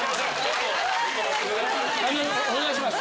お願いします。